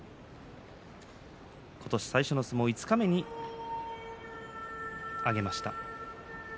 今年最初の相撲、五日目に白星を挙げました。